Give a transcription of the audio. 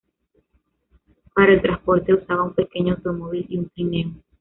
Para el transporte usaban un pequeño automóvil y un trineo.